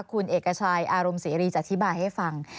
คุณเอกชัยอารมศรีรีจัดที่บ่ายให้ฟัง